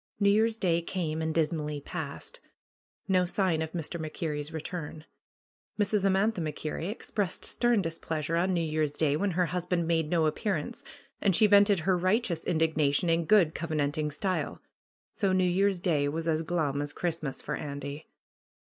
New Year's Day came and dismally passed. No sign of Mr. MacKerrie's return. Mrs. Amantha MacKerrie expressed stern displeasure on New Year's Day when her husband made no appear ance, and she vented her righteous indignation in good covenanting style. So New Year's Day was as glum as Christmas for Andy.